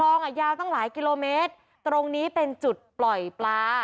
อ่ะยาวตั้งหลายกิโลเมตรตรงนี้เป็นจุดปล่อยปลา